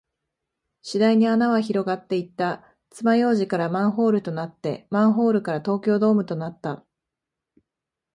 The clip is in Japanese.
次第に穴は広がっていった。爪楊枝からマンホールとなって、マンホールから東京ドームとなった。